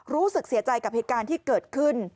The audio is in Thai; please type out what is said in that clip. รู้สึกเสียใจกับเหตุการณ์ที่เกิดขึ้น